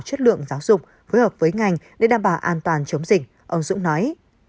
để đảm bảo chất lượng giáo dục phối hợp với ngành để đảm bảo an toàn chống dịch ông dũng nói